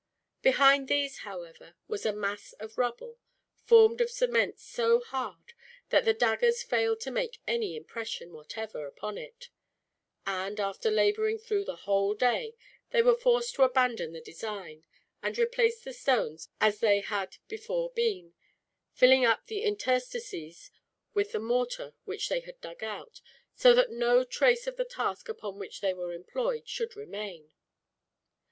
Behind these, however, was a mass of rubble, formed of cement so hard that the daggers failed to make any impression, whatever, upon it; and after laboring through the whole day, they were forced to abandon the design, and replace the stones as they had before been; filling up the interstices with the mortar which they had dug out, so that no trace of the task upon which they were employed should remain.